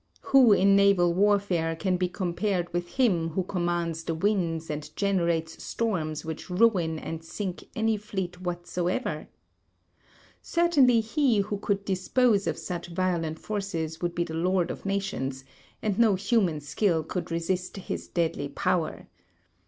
Who in naval warfare can be compared with him who commands the winds and generates storms which ruin and sink any fleet whatsoever? Certainly he who could dispose of such violent forces would be the lord of nations, and no human skill could resist his deadly power.